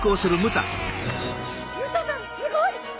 ムタさんすごい！